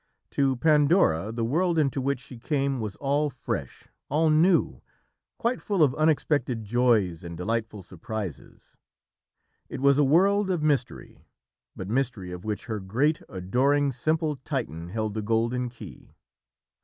To Pandora the world into which she came was all fresh, all new, quite full of unexpected joys and delightful surprises. It was a world of mystery, but mystery of which her great, adoring, simple Titan held the golden key.